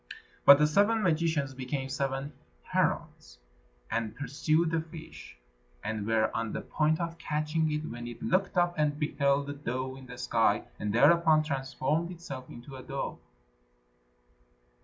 But the seven magicians became seven herons, and pursued the fish, and were on the point of catching it, when it looked up and beheld a dove in the sky, and thereupon transformed itself into a dove.